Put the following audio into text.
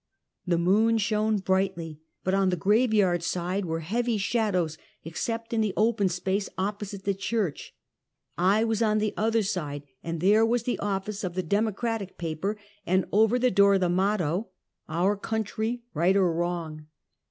The moon shone brightly, but on the graveyard side were heavy shadows, except in the open space opposite the church. I was on the other side, and there was the office of the Democratic paper, and over the door the motto " Our country, riglit or Hunt Ghosts. 17 wrong."